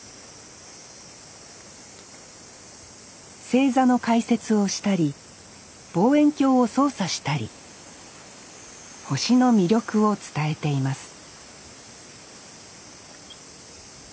星座の解説をしたり望遠鏡を操作したり星の魅力を伝えています